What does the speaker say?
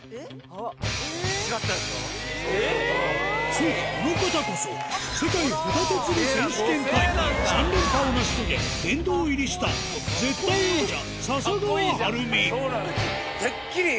そうこの方こそ世界ホタテ釣り選手権大会３連覇を成し遂げ殿堂入りした絶対王者笹川晴美